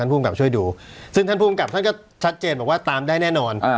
ผู้กับนะครับซึ่งท่านก็ชัดเจนว่าตามได้แน่นอน